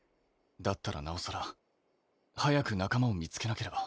だったらなおさら早く仲間を見つけなければ。